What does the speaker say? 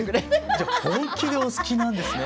じゃ本気でお好きなんですね。